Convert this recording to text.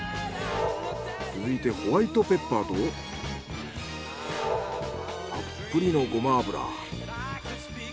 続いてホワイトペッパーとたっぷりのゴマ油。